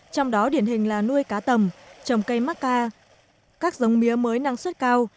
trong đó điển hình là nuôi cá tầm trồng cây mắc ca các giống mía mới năng suất cao